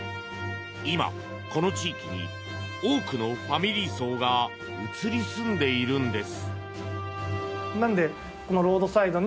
今、この地域に多くのファミリー層が移り住んでいるんです。